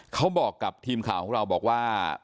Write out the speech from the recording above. เขาบอกกับทีมข่าวของเรา